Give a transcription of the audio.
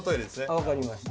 分かりました。